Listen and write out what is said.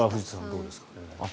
どうですかね？